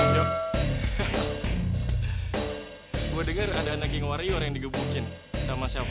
yo gue denger ada naging warior yang digebukin sama siapa